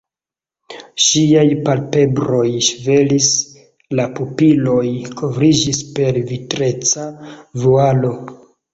Ŝiaj palpebroj ŝvelis, la pupiloj kovriĝis per vitreca vualo.